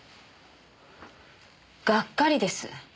がっかりです。